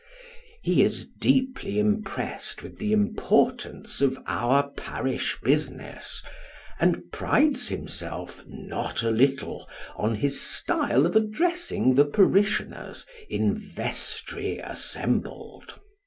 He is deeply impressed with the importance of our parish business, and prides him self, not a little, on his style of addressing the parishioners in vestry assembled.